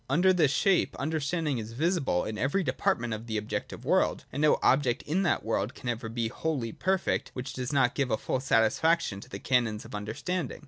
Under this shape Understanding is visible in every department of the objective world ; and no object in that world can ever be wholly perfect which does not give full satisfaction to the canons of understanding.